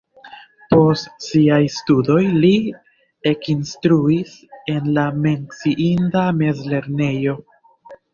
Post siaj studoj li ekinstruis en la menciita mezlernejo.